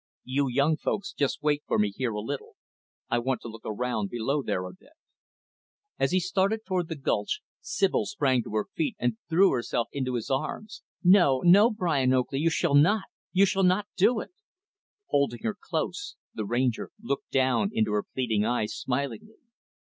You young folks just wait for me here a little. I want to look around below there, a bit." As he started toward the gulch, Sibyl sprang to her feet and threw herself into his arms. "No, no, Brian Oakley, you shall not you shall not do it!" Holding her close, the Ranger looked down into her pleading eyes, smilingly.